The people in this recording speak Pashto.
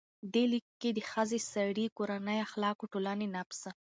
دې لیک کې د ښځې، سړي، کورنۍ، اخلاقو، ټولنې، نفس،